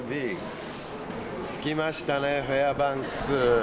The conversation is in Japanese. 着きましたねフェアバンクス。